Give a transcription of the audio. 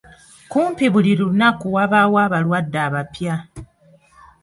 Kumpi buli lunaku wabaawo abalwadde abapya.